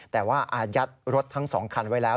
แต่ว่าอายัดรถทั้ง๒คันไว้แล้ว